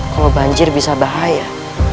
kalau banjir bisa bahaya